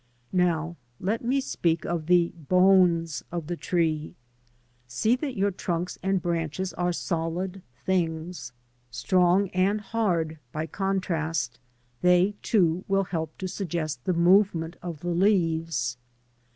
Now let me speak of the '* bones " of the trees. See that your trunks and branches are solid things. Strong and hard by contrast, they, too, will help to suggest the movement of the leaves.